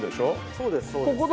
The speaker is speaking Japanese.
そうですそうです。